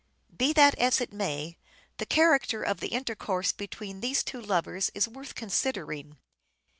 Be that as it may, the character of the intercourse between these two lovers is worth considering.